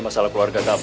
masalah keluarga kamu